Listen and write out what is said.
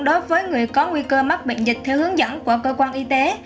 đối với người có nguy cơ mắc bệnh dịch theo hướng dẫn của cơ quan y tế